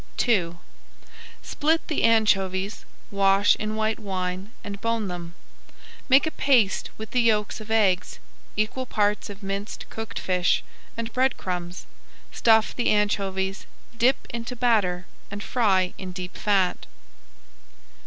II Split the anchovies, wash in white wine, and bone them. Make a paste with the yolks of eggs, equal parts of minced cooked fish, and bread crumbs. Stuff the anchovies, dip into batter, and fry in deep fat.